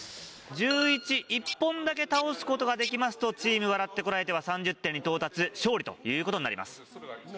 「１１」１本だけ倒すことができますとチーム「笑ってコラえて！」は３０点に到達勝利ということになります。